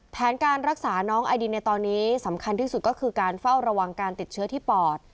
แผนการรักษาน้องไอดินในตอนนี้สำคัญที่สุดก็คือการเฝ้าระวังการติดเชื้อที่ปอด